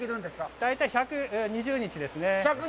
大体１２０日ですね。